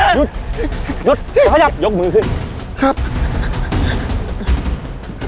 หยุดหยุดหยุดยกมือขึ้น